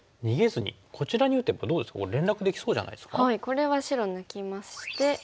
これは白抜きまして。